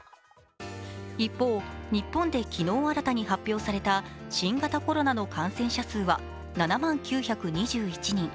一方、日本で昨日新たに発表された新型コロナの感染者数は７万９２１人。